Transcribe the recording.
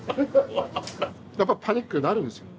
やっぱパニックになるんですよ。